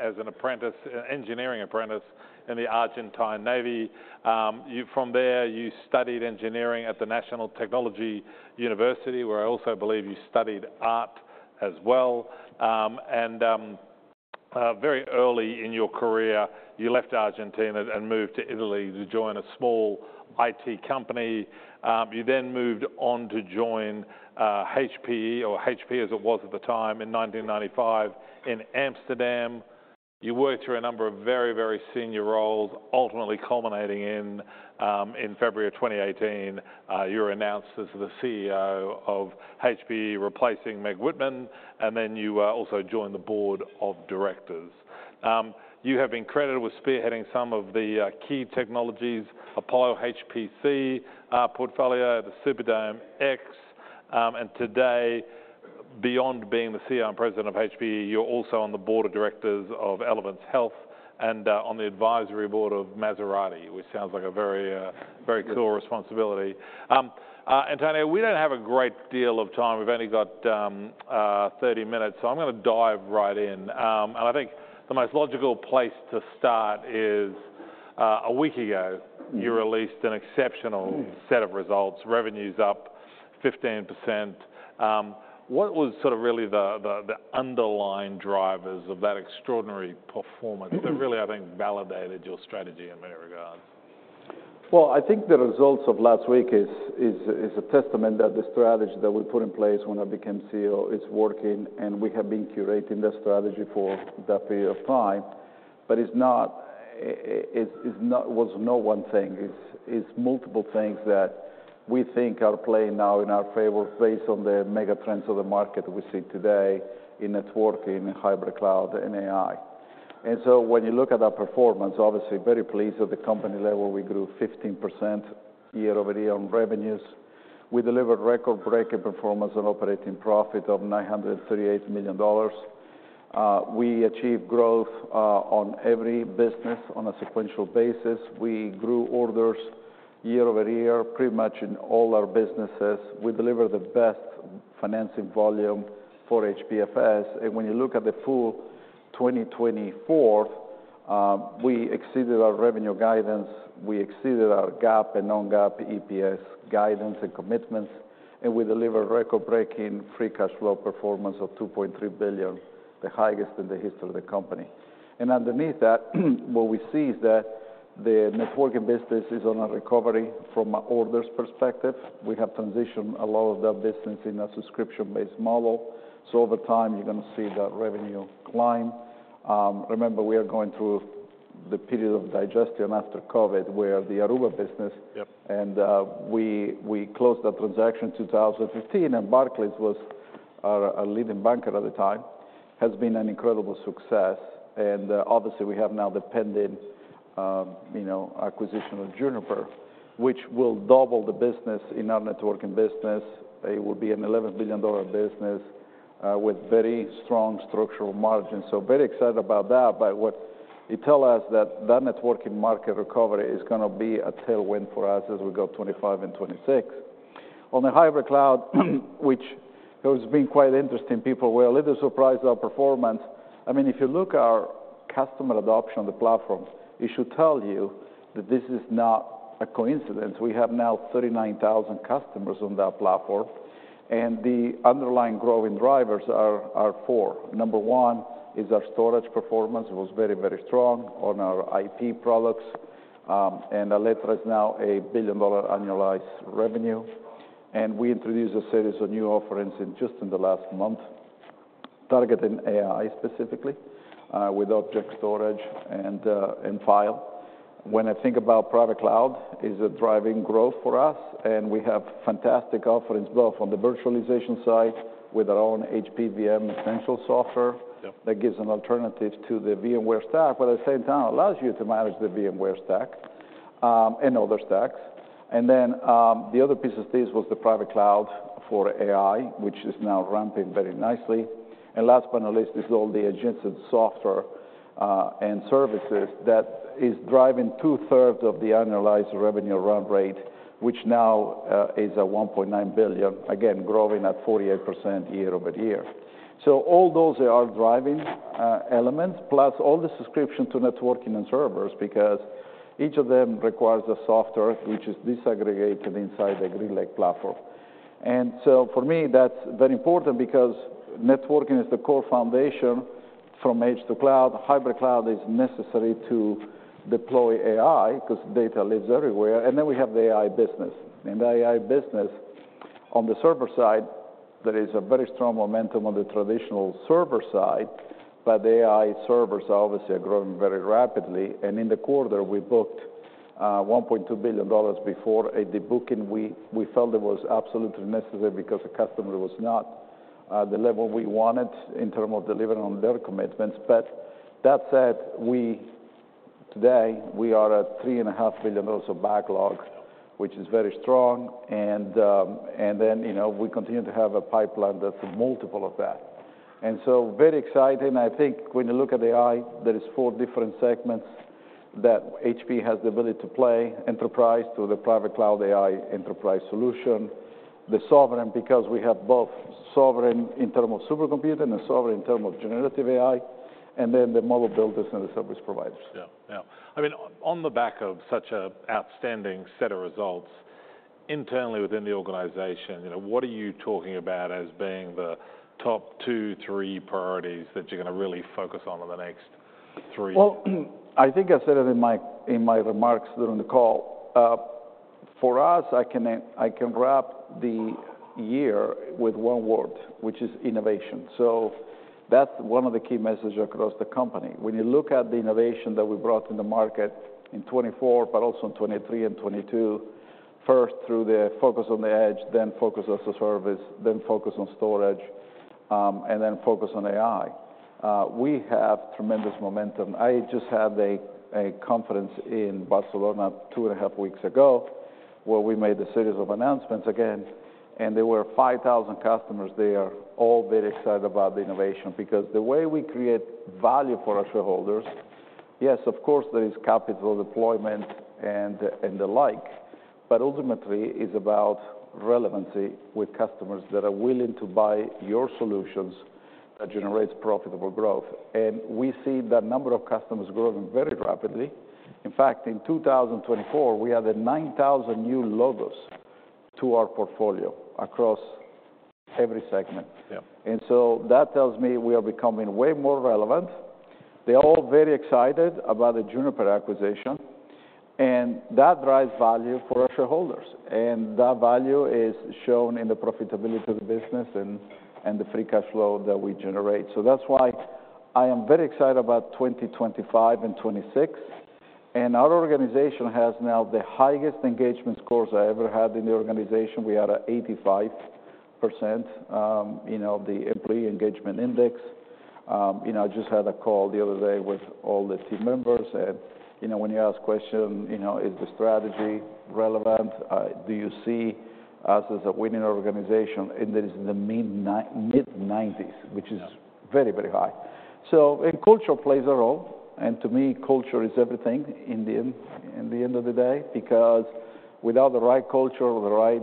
As an apprentice, an engineering apprentice in the Argentine Navy. You from there, you studied engineering at the National Technological University, where I also believe you studied art as well. And very early in your career, you left Argentina and moved to Italy to join a small IT company. You then moved on to join HPE, or HP as it was at the time, in 1995 in Amsterdam. You worked through a number of very, very senior roles, ultimately culminating in, in February of 2018, you were announced as the CEO of HPE, replacing Meg Whitman, and then you also joined the board of directors. You have been credited with spearheading some of the key technologies, Apollo HPC portfolio, the Superdome X. And today, beyond being the CEO and president of HPE, you're also on the board of directors of Elevance Health and on the advisory board of Maserati, which sounds like a very, very cool responsibility. Antonio, we don't have a great deal of time. We've only got 30 minutes, so I'm gonna dive right in. And I think the most logical place to start is a week ago. You released an exceptional set of results, revenues up 15%. What was sort of really the underlying drivers of that extraordinary performance that really, I think, validated your strategy in many regards? I think the results of last week is a testament that the strategy that we put in place when I became CEO is working, and we have been curating that strategy for that period of time. But it's not. It wasn't no one thing. It's multiple things that we think are playing now in our favor based on the mega trends of the market we see today in networking, in hybrid cloud, and AI. And so when you look at our performance, obviously very pleased at the company level, we grew 15% year over year on revenues. We delivered record-breaking performance and operating profit of $938 million. We achieved growth on every business on a sequential basis. We grew orders year over year pretty much in all our businesses. We delivered the best financing volume for HPFS. And when you look at the full 2024, we exceeded our revenue guidance. We exceeded our GAAP and non-GAAP EPS guidance and commitments. And we delivered record-breaking free cash flow performance of $2.3 billion, the highest in the history of the company. And underneath that, what we see is that the networking business is on a recovery from an orders perspective. We have transitioned a lot of that business in a subscription-based model. So over time, you're gonna see that revenue climb. Remember, we are going through the period of digestion after COVID where the Aruba business. Yep. We closed that transaction in 2015, and Barclays was our leading banker at the time. It has been an incredible success. Obviously, we have now the pending, you know, acquisition of Juniper, which will double the business in our networking business. It will be an $11 billion business, with very strong structural margins. Very excited about that. What it tells us is that the networking market recovery is gonna be a tailwind for us as we go 2025 and 2026. On the hybrid cloud, which has been quite interesting, people were a little surprised at our performance. I mean, if you look at our customer adoption on the platform, it should tell you that this is not a coincidence. We have now 39,000 customers on that platform. The underlying growing drivers are four. Number one is our storage performance. It was very, very strong on our IP products. And Alletra is now a billion-dollar annualized revenue. And we introduced a series of new offerings in just the last month, targeting AI specifically, with object storage and file. When I think about private cloud, it's a driving growth for us. And we have fantastic offerings both on the virtualization side with our own HPE VM Essentials software. Yep. That gives an alternative to the VMware stack, but at the same time allows you to manage the VMware stack, and other stacks. And then, the other piece of this was the private cloud for AI, which is now ramping very nicely. And last but not least, it's all the adjacent software, and services that is driving two-thirds of the annualized revenue run rate, which now, is at $1.9 billion, again, growing at 48% year over year. So all those are driving, elements, plus all the subscription to networking and servers, because each of them requires a software which is disaggregated inside the GreenLake platform. And so for me, that's very important because networking is the core foundation from edge to cloud. Hybrid cloud is necessary to deploy AI 'cause data lives everywhere. And then we have the AI business. In the AI business on the server side, there is a very strong momentum on the traditional server side, but the AI servers are obviously growing very rapidly. And in the quarter, we booked $1.2 billion before the booking. We felt it was absolutely necessary because the customer was not at the level we wanted in terms of delivering on their commitments. But that said, today we are at $3.5 billion of backlog, which is very strong. And then, you know, we continue to have a pipeline that's a multiple of that. And so very exciting. I think when you look at AI, there are four different segments that HPE has the ability to play: enterprise to the private cloud AI enterprise solution, the sovereign, because we have both sovereign in terms of supercomputing and sovereign in terms of generative AI, and then the model builders and the service providers. Yeah. Yeah. I mean, on the back of such an outstanding set of results internally within the organization, you know, what are you talking about as being the top two, three priorities that you're gonna really focus on in the next three? I think I said it in my remarks during the call. For us, I can wrap the year with one word, which is innovation, so that's one of the key messages across the company. When you look at the innovation that we brought in the market in 2024, but also in 2023 and 2022, first through the focus on the edge, then focus on the service, then focus on storage, and then focus on AI, we have tremendous momentum. I just had a conference in Barcelona two and a half weeks ago where we made a series of announcements again, and there were 5,000 customers there, all very excited about the innovation, because the way we create value for our shareholders, yes, of course, there is capital deployment and, and the like, but ultimately it's about relevancy with customers that are willing to buy your solutions that generate profitable growth. And we see the number of customers growing very rapidly. In fact, in 2024, we had 9,000 new logos to our portfolio across every segment. Yeah. And so that tells me we are becoming way more relevant. They're all very excited about the Juniper acquisition, and that drives value for our shareholders. And that value is shown in the profitability of the business and the free cash flow that we generate. So that's why I am very excited about 2025 and 2026. And our organization has now the highest engagement scores I ever had in the organization. We are at 85%, you know, the employee engagement index. You know, I just had a call the other day with all the team members, and, you know, when you ask a question, you know, is the strategy relevant? Do you see us as a winning organization? And that is in the mid-90s, which is very, very high. So and culture plays a role. To me, culture is everything in the end, in the end of the day, because without the right culture, the right,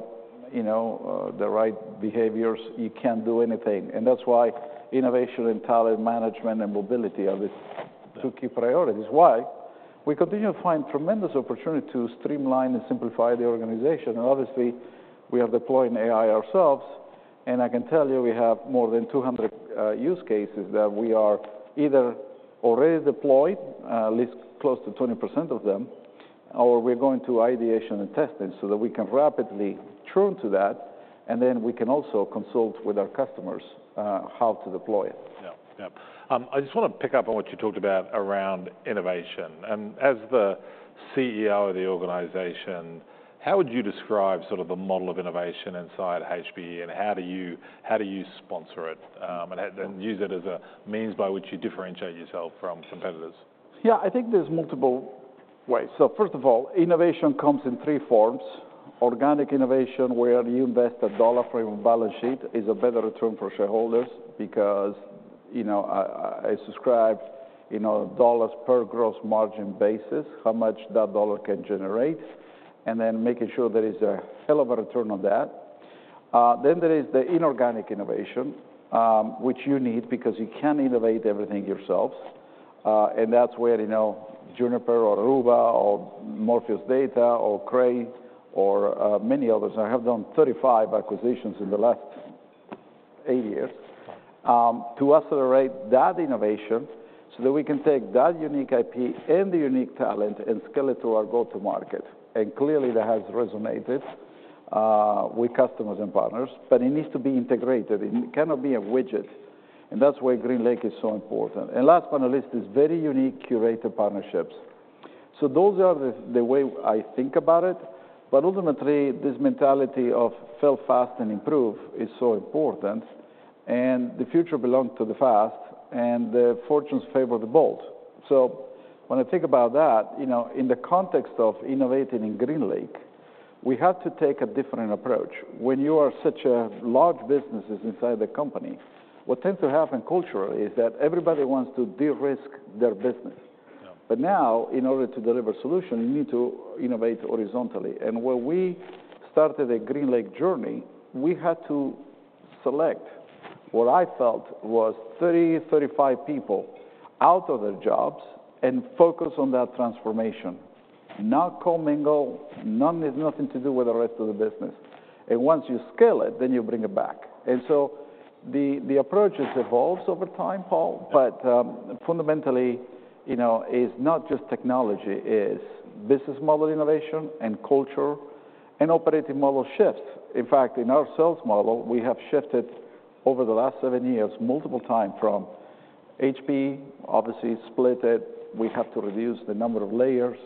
you know, the right behaviors, you can't do anything. That's why innovation and talent management and mobility are the two key priorities. Why? We continue to find tremendous opportunity to streamline and simplify the organization. Obviously, we are deploying AI ourselves. I can tell you we have more than 200 use cases that we are either already deployed, at least close to 20% of them, or we're going to ideation and testing so that we can rapidly turn to that. Then we can also consult with our customers, how to deploy it. Yeah. Yeah. I just wanna pick up on what you talked about around innovation. As the CEO of the organization, how would you describe sort of the model of innovation inside HPE, and how do you sponsor it, and how you use it as a means by which you differentiate yourself from competitors? Yeah. I think there's multiple ways. So first of all, innovation comes in three forms. Organic innovation, where you invest a dollar from your balance sheet, is a better return for shareholders because, you know, I subscribe, you know, dollars per gross margin basis, how much that dollar can generate, and then making sure there is a hell of a return on that. Then there is the inorganic innovation, which you need because you can't innovate everything yourselves. And that's where, you know, Juniper or Aruba or Morpheus Data or Cray or many others. I have done 35 acquisitions in the last eight years to accelerate that innovation so that we can take that unique IP and the unique talent and scale it to our go-to-market. And clearly, that has resonated with customers and partners, but it needs to be integrated. It cannot be a widget. And that's why GreenLake is so important. And last but not least, these very unique curated partnerships. So those are the way I think about it. But ultimately, this mentality of fail fast and improve is so important, and the future belongs to the fast, and the fortunes favor the bold. So when I think about that, you know, in the context of innovating in GreenLake, we have to take a different approach. When you are such large businesses inside the company, what tends to happen culturally is that everybody wants to de-risk their business. Yeah. But now, in order to deliver a solution, you need to innovate horizontally. And when we started the GreenLake journey, we had to select what I felt was 30, 35 people out of their jobs and focus on that transformation. Not commingling, nothing to do with the rest of the business. And once you scale it, then you bring it back. And so the approach has evolved over time, Paul, but fundamentally, you know, it's not just technology. It's business model innovation and culture and operating model shifts. In fact, in our sales model, we have shifted over the last seven years multiple times from HP, obviously split it. We had to reduce the number of layers.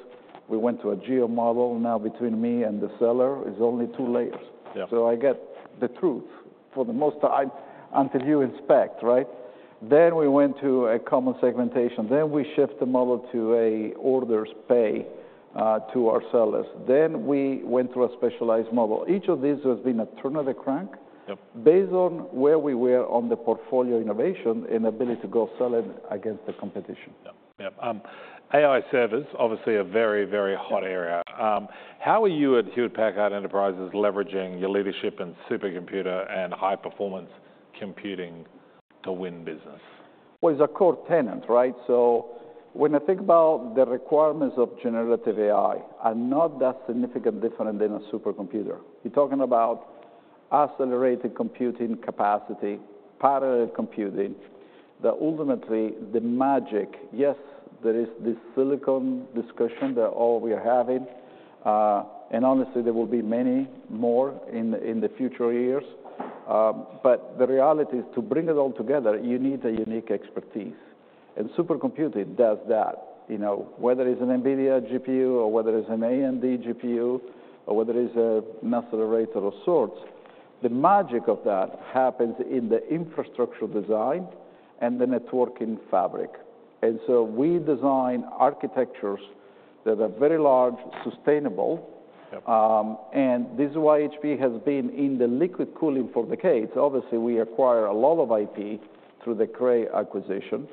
We went to a geo model. Now, between me and the seller, it's only two layers. Yeah. So I get the truth for the most time until you inspect, right? Then we went to a common segmentation. Then we shift the model to orders-paid, to our sellers. Then we went through a specialized model. Each of these has been a turn of the crank. Yep. Based on where we were on the portfolio innovation and ability to go sell it against the competition. Yeah. Yeah. AI servers, obviously, a very, very hot area. How are you at Hewlett Packard Enterprise leveraging your leadership in supercomputer and high-performance computing to win business? It's a core tenet, right? So when I think about the requirements of generative AI, I'm not that significantly different than a supercomputer. You're talking about accelerated computing capacity, parallel computing. Ultimately, the magic, yes, there is this silicon discussion that all we are having. And honestly, there will be many more in the future years. But the reality is to bring it all together, you need a unique expertise. And supercomputing does that. You know, whether it's an NVIDIA GPU or whether it's an AMD GPU or whether it's a NAS array of sorts, the magic of that happens in the infrastructure design and the networking fabric. And so we design architectures that are very large, sustainable. Yep. And this is why HPE has been in the liquid cooling for decades. Obviously, we acquire a lot of IP through the Cray acquisition.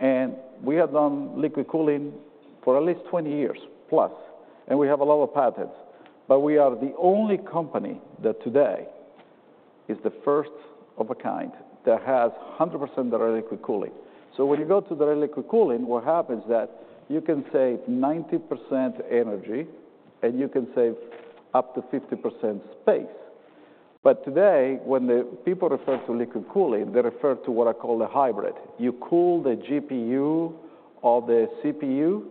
And we have done liquid cooling for at least 20 years+. And we have a lot of patents. But we are the only company that today is the first of a kind that has 100% direct liquid cooling. So when you go to direct liquid cooling, what happens is that you can save 90% energy and you can save up to 50% space. But today, when the people refer to liquid cooling, they refer to what I call the hybrid. You cool the GPU or the CPU,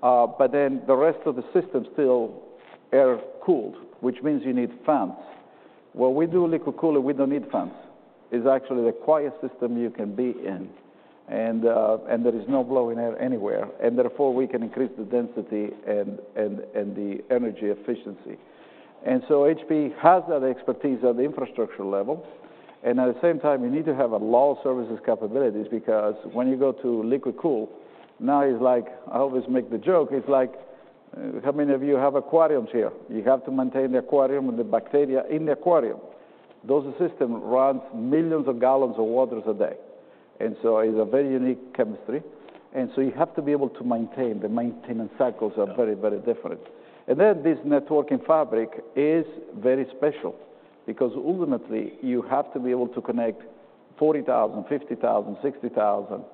but then the rest of the system still air-cooled, which means you need fans. When we do liquid cooling, we don't need fans. It's actually the quietest system you can be in. There is no blowing air anywhere. Therefore, we can increase the density and the energy efficiency. So HP has that expertise at the infrastructure level. At the same time, you need to have a lot of services capabilities because when you go to liquid cool, now it's like, I always make the joke, it's like, how many of you have aquariums here? You have to maintain the aquarium and the bacteria in the aquarium. Those systems run millions of gallons of water a day. So it's a very unique chemistry. You have to be able to maintain. The maintenance cycles are very, very different. Then this networking fabric is very special because ultimately, you have to be able to connect 40,000, 50,000, 60,000.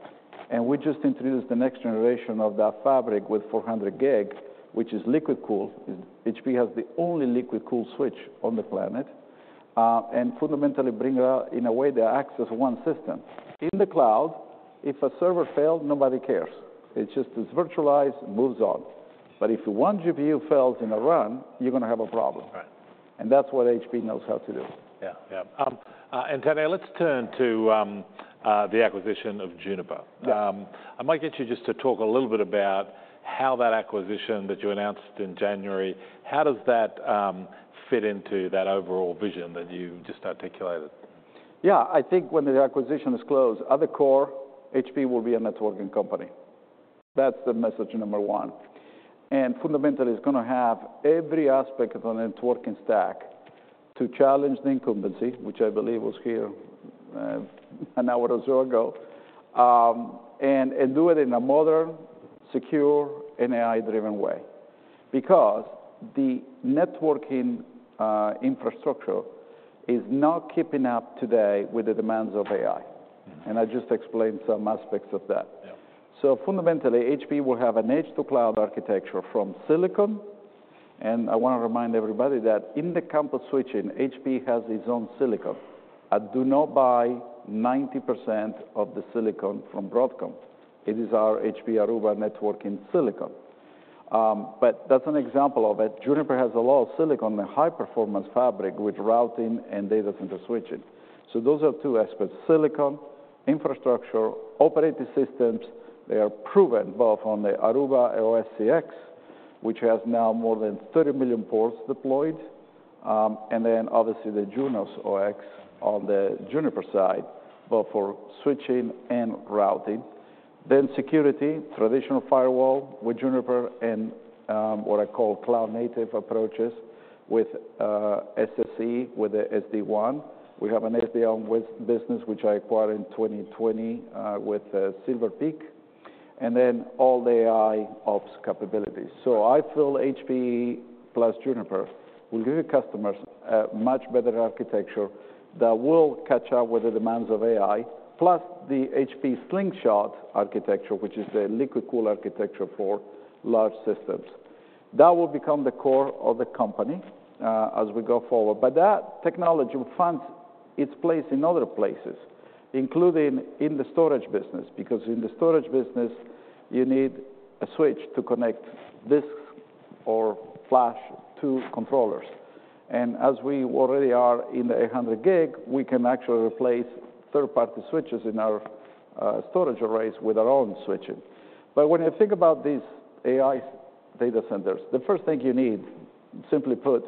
We just introduced the next generation of that fabric with 400 gig, which is liquid cool. HP has the only liquid cool switch on the planet. And fundamentally bring out, in a way, the access of one system. In the cloud, if a server failed, nobody cares. It's just, it's virtualized, moves on. But if one GPU fails in a run, you're gonna have a problem. Right. That's what HP knows how to do. Yeah. Yeah. Antonio, let's turn to the acquisition of Juniper. Yeah. I might get you just to talk a little bit about how that acquisition that you announced in January, how does that fit into that overall vision that you just articulated? Yeah. I think when the acquisition is closed, at the core, HP will be a networking company. That's the message number one, and fundamentally, it's gonna have every aspect of the networking stack to challenge the incumbency, which I believe was here, an hour or so ago, and do it in a modern, secure, and AI-driven way because the networking infrastructure is not keeping up today with the demands of AI. Mm-hmm. I just explained some aspects of that. Yeah. So fundamentally, HP will have an edge-to-cloud architecture from silicon. And I wanna remind everybody that in the campus switching, HP has its own silicon. I do not buy 90% of the silicon from Broadcom. It is our HP Aruba networking silicon, but that's an example of it. Juniper has a lot of silicon and high-performance fabric with routing and data center switching. So those are two aspects: silicon, infrastructure, operating systems. They are proven both on the ArubaOS-CX, which has now more than 30 million ports deployed, and then obviously the Junos OS on the Juniper side, both for switching and routing. Then security, traditional firewall with Juniper and what I call cloud-native approaches with SSE with the SD-WAN. We have an SD-WAN business, which I acquired in 2020, with Silver Peak. And then all the AI ops capabilities. So I feel HPE plus Juniper will give you customers a much better architecture that will catch up with the demands of AI, plus the HPE Slingshot architecture, which is the liquid cool architecture for large systems. That will become the core of the company, as we go forward. But that technology will find its place in other places, including in the storage business, because in the storage business, you need a switch to connect disks or flash to controllers. And as we already are in the 800 gig, we can actually replace third-party switches in our storage arrays with our own switching. But when you think about these AI data centers, the first thing you need, simply put,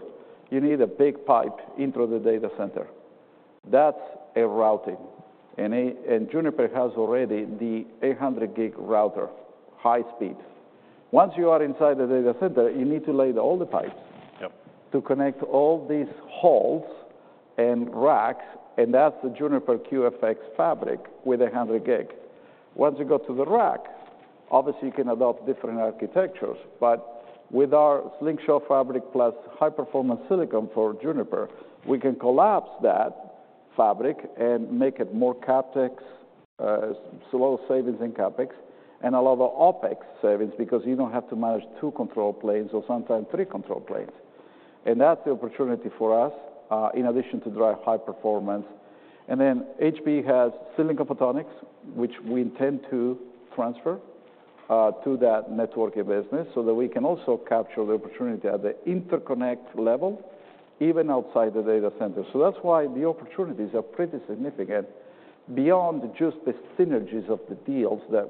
you need a big pipe into the data center. That's a routing. And Juniper has already the 800 gig router, high speed. Once you are inside the data center, you need to lay all the pipes. Yep. To connect all these halls and racks, and that's the Juniper QFX fabric with 800 gig. Once you go to the rack, obviously you can adopt different architectures, but with our Slingshot fabric plus high-performance silicon for Juniper, we can collapse that fabric and make it more CapEx-low, savings in CapEx and a lot of OpEx savings because you don't have to manage two control planes or sometimes three control planes, and that's the opportunity for us, in addition to drive high performance, and then HP has silicon photonics, which we intend to transfer to that networking business so that we can also capture the opportunity at the interconnect level, even outside the data center, so that's why the opportunities are pretty significant beyond just the synergies of the deals that,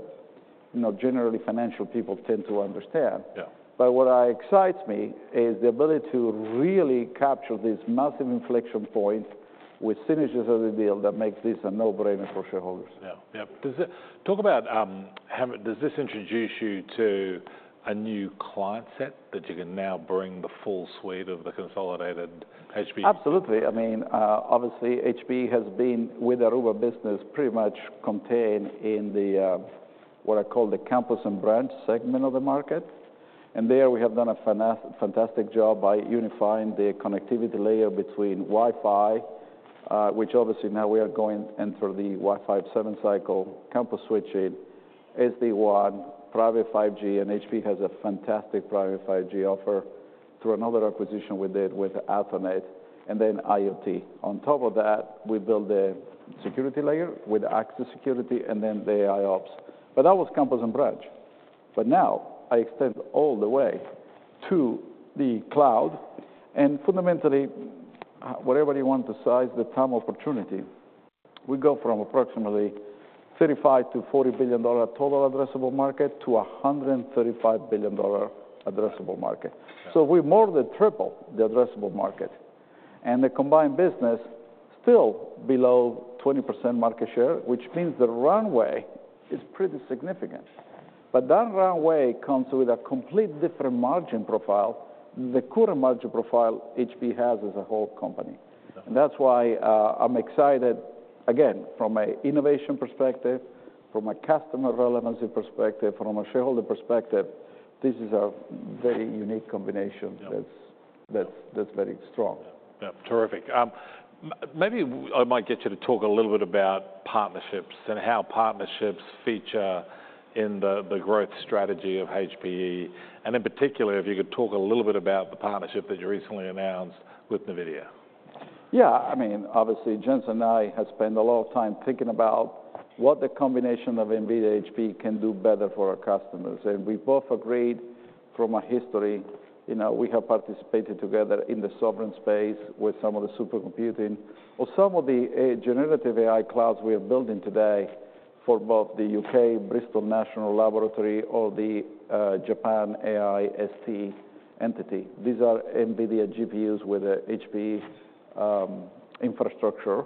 you know, generally financial people tend to understand. Yeah. But what excites me is the ability to really capture these massive inflection points with synergies of the deal that makes this a no-brainer for shareholders. Does it talk about, does this introduce you to a new client set that you can now bring the full suite of the consolidated HP? Absolutely. I mean, obviously, HP has been with Aruba business pretty much contained in the, what I call the campus and branch segment of the market. And there we have done a fantastic job by unifying the connectivity layer between Wi-Fi, which obviously now we are going into the Wi-Fi 7 cycle, campus switching, SD-WAN, private 5G, and HP has a fantastic private 5G offer through another acquisition we did with Athonet and then IoT. On top of that, we built the security layer with access security and then the AI ops. But that was campus and branch. But now I extend all the way to the cloud. And fundamentally, whatever you want to size the TAM opportunity, we go from approximately $35 to $40 billion total addressable market to $135 billion addressable market. Yeah. So we more than tripled the addressable market. And the combined business is still below 20% market share, which means the runway is pretty significant. But that runway comes with a complete different margin profile than the current margin profile HP has as a whole company. Yeah. And that's why, I'm excited, again, from an innovation perspective, from a customer relevancy perspective, from a shareholder perspective. This is a very unique combination. Yeah. That's very strong. Yeah. Yeah. Terrific. Maybe I might get you to talk a little bit about partnerships and how partnerships feature in the growth strategy of HPE. And in particular, if you could talk a little bit about the partnership that you recently announced with NVIDIA. Yeah. I mean, obviously, Jensen and I have spent a lot of time thinking about what the combination of NVIDIA HPE can do better for our customers. And we both agreed from our history, you know, we have participated together in the sovereign space with some of the supercomputing or some of the generative AI clouds we are building today for both the University of Bristol or the Japan AIST entity. These are NVIDIA GPUs with the HPE infrastructure,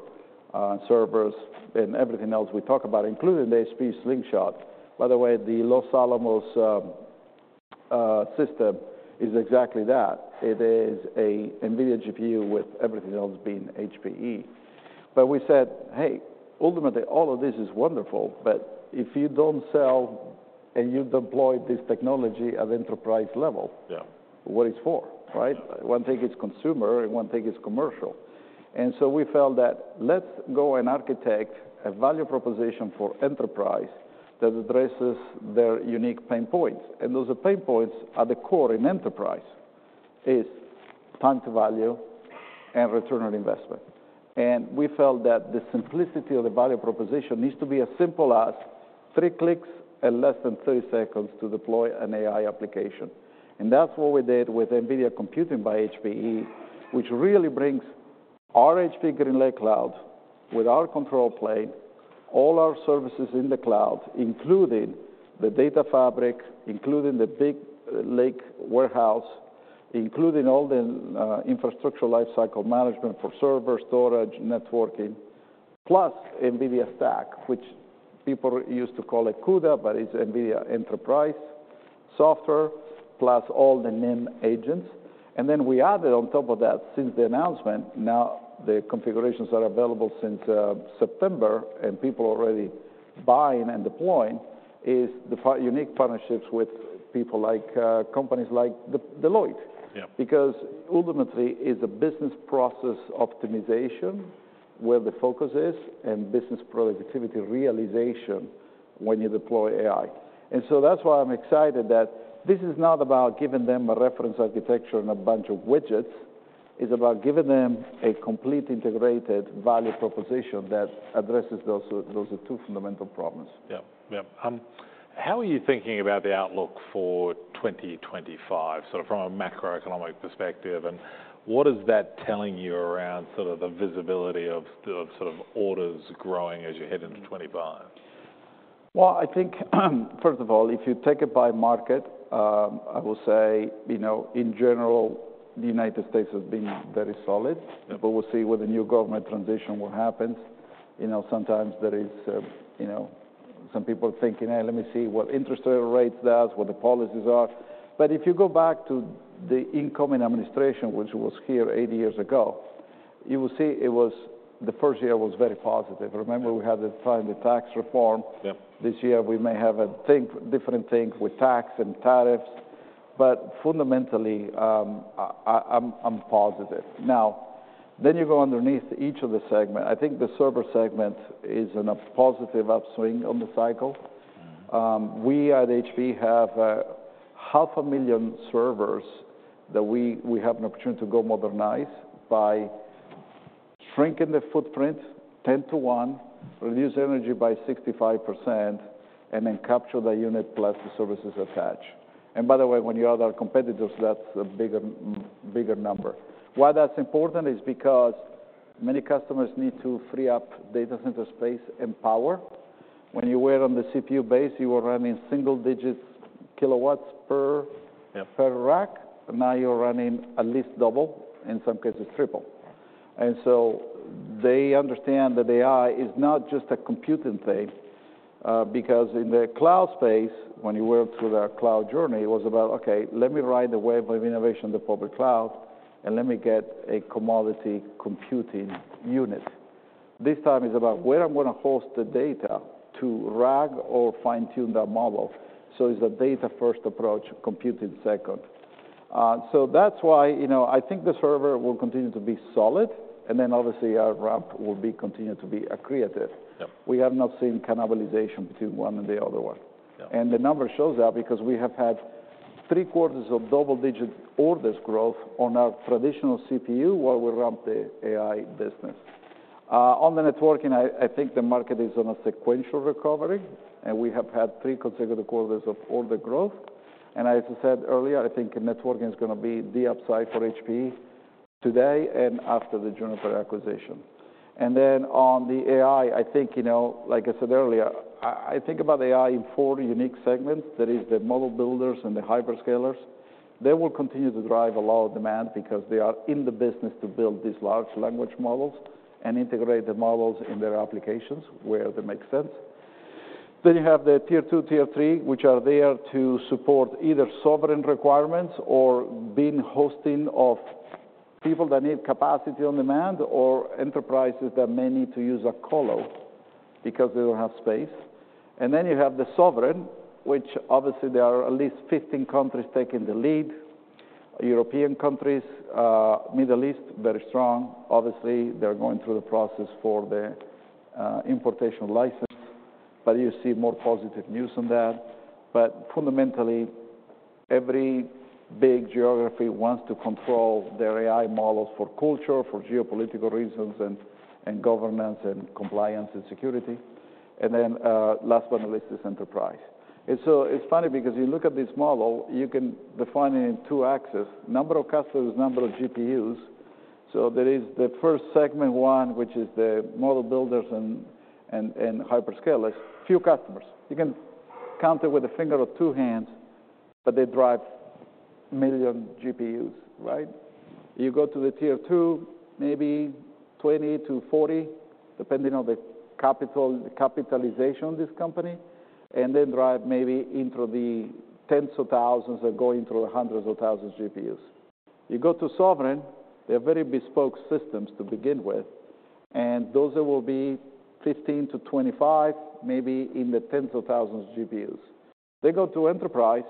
servers, and everything else we talk about, including the HPE Slingshot. By the way, the Los Alamos system is exactly that. It is a NVIDIA GPU with everything else being HPE. But we said, "Hey, ultimately, all of this is wonderful, but if you don't sell and you deploy this technology at enterprise level. Yeah. What it's for, right? One thing is consumer and one thing is commercial. And so we felt that let's go and architect a value proposition for enterprise that addresses their unique pain points. And those are pain points at the core in enterprise is time to value and return on investment. And we felt that the simplicity of the value proposition needs to be as simple as three clicks and less than 30 seconds to deploy an AI application. And that's what we did with NVIDIA AI Computing by HPE, which really brings our HPE GreenLake cloud with our control plane, all our services in the cloud, including the data fabric, including the data lakehouse, including all the infrastructure lifecycle management for server storage, networking, plus NVIDIA stack, which people used to call it CUDA, but it's NVIDIA enterprise software, plus all the NIM agents. Then we added on top of that, since the announcement. Now the configurations are available since September, and people are already buying and deploying is the unique partnerships with people like, companies like Deloitte. Yeah. Because ultimately, it's a business process optimization where the focus is and business productivity realization when you deploy AI. And so that's why I'm excited that this is not about giving them a reference architecture and a bunch of widgets. It's about giving them a complete integrated value proposition that addresses those, those two fundamental problems. Yeah. Yeah. How are you thinking about the outlook for 2025, sort of from a macroeconomic perspective? And what is that telling you around sort of the visibility of sort of orders growing as you head into 2025? I think, first of all, if you take it by market, I will say, you know, in general, the United States has been very solid. Yeah. But we'll see what the new government transition will happen. You know, sometimes there is, you know, some people are thinking, "Hey, let me see what interest rates does, what the policies are." But if you go back to the incoming administration, which was here eight years ago, you will see it was the first year was very positive. Remember, we had the tax reform. Yeah. This year, we may have a think different thing with tax and tariffs. But fundamentally, I'm positive. Now, then you go underneath each of the segment. I think the server segment is in a positive upswing on the cycle. Mm-hmm. We at HPE have 500,000 servers that we have an opportunity to go modernize by shrinking the footprint 10 to one, reduce energy by 65%, and then capture the unit plus the services attached. And by the way, when you add our competitors, that's a bigger, bigger number. Why that's important is because many customers need to free up data center space and power. When you were on the CPU base, you were running single digits kilowatts per. Yeah. Per rack. Now you're running at least double, in some cases triple. And so they understand that AI is not just a computing thing, because in the cloud space, when you went through the cloud journey, it was about, "Okay, let me ride the wave of innovation in the public cloud, and let me get a commodity computing unit." This time it's about where I'm gonna host the data to train or fine-tune that model. So it's a data-first approach, computing second. So that's why, you know, I think the server will continue to be solid. And then obviously, our ramp will be continue to be accretive. Yeah. We have not seen cannibalization between one and the other one. Yeah. The number shows that because we have had 3/4 of double-digit orders growth on our traditional CPU while we ramp the AI business. On the networking, I think the market is on a sequential recovery, and we have had three consecutive quarters of order growth. As I said earlier, I think networking is gonna be the upside for HP today and after the Juniper acquisition. Then on the AI, I think, you know, like I said earlier, I think about AI in four unique segments. There are the model builders and the hyperscalers. They will continue to drive a lot of demand because they are in the business to build these large language models and integrate the models in their applications where they make sense. You have the tier two, tier three, which are there to support either sovereign requirements or being hosting of people that need capacity on demand or enterprises that may need to use a colo because they don't have space. You have the sovereign, which obviously there are at least 15 countries taking the lead, European countries, Middle East, very strong. Obviously, they're going through the process for the importation license. You see more positive news on that. Fundamentally, every big geography wants to control their AI models for culture, for geopolitical reasons, and governance and compliance and security. Last but not least is enterprise. It's funny because you look at this model, you can define it in two axes: number of customers, number of GPUs. So there is the first segment one, which is the model builders and hyperscalers. Few customers. You can count it with a finger or two hands, but they drive a million GPUs, right? You go to the tier two, maybe 20 to 40, depending on the capital, capitalization of this company, and then drive maybe into the tens of thousands that go into the hundreds of thousands GPUs. You go to sovereign, they're very bespoke systems to begin with, and those that will be 15 to 25, maybe in the tens of thousands GPUs. They go to enterprise,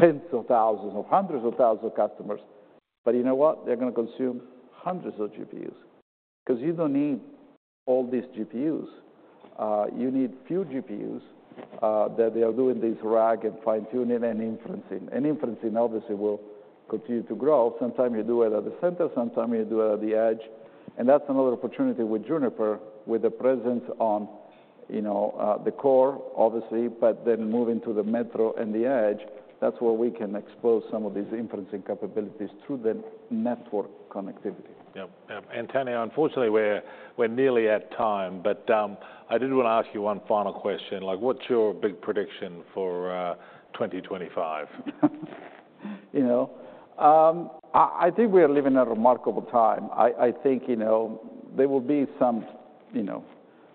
tens of thousands or hundreds of thousands of customers. But you know what? They're gonna consume hundreds of GPUs because you don't need all these GPUs. You need few GPUs, that they are doing this rack and fine-tuning and inferencing. And inferencing obviously will continue to grow. Sometimes you do it at the center, sometimes you do it at the edge, and that's another opportunity with Juniper, with the presence on, you know, the core, obviously, but then moving to the metro and the edge, that's where we can expose some of these inferencing capabilities through the network connectivity. Yeah. Yeah. Antonio, unfortunately, we're nearly at time, but I did wanna ask you one final question. Like, what's your big prediction for 2025? You know, I think we are living a remarkable time. I think, you know, there will be some, you know,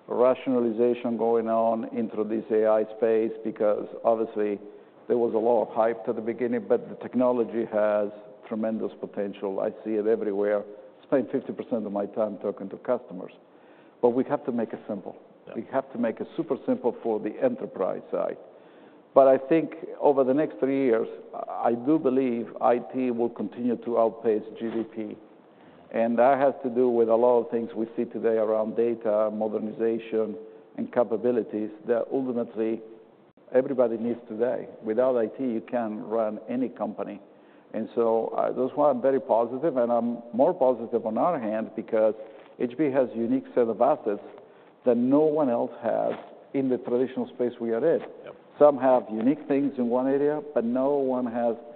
rationalization going on into this AI space because obviously there was a lot of hype to the beginning, but the technology has tremendous potential. I see it everywhere. I spend 50% of my time talking to customers. But we have to make it simple. Yeah. We have to make it super simple for the enterprise side. But I think over the next three years, I do believe IT will continue to outpace GDP. And that has to do with a lot of things we see today around data, modernization, and capabilities that ultimately everybody needs today. Without IT, you can't run any company. And so, those are very positive. And I'm more positive on our hand because HP has a unique set of assets that no one else has in the traditional space we are in. Yeah. Some have unique things in one area, but no one has.